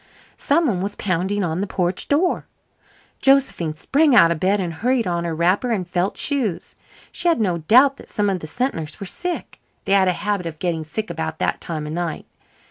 Some one was pounding on the porch door. Josephine sprang out of bed and hurried on her wrapper and felt shoes. She had no doubt that some of the Sentners were sick. They had a habit of getting sick about that time of night.